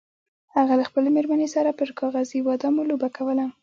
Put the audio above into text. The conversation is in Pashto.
هغه له خپلې میرمنې سره پر کاغذي بادامو لوبه کوله.